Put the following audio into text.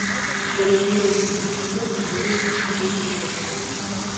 Яны мірна пілі піва і елі шашлыкі ў цянёчку.